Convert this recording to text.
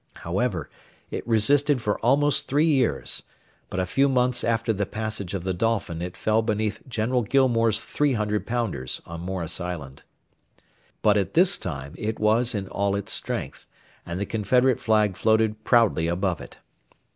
However, it resisted for almost three years, but a few months after the passage of the Dolphin it fell beneath General Gillmore's three hundred pounders on Morris Island. But at this time it was in all its strength, and the Confederate flag floated proudly above it.